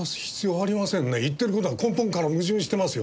言ってる事が根本から矛盾してますよ。